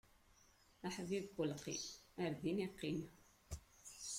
Aḥbib n ulqim, ar din iqqim!